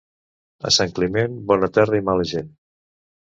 A Sant Climent, bona terra i mala gent.